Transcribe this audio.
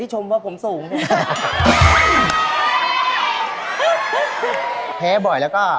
หน้าบวม